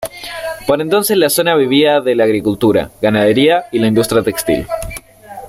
Por entonces la zona vivía de la agricultura, ganadería y la industria textil.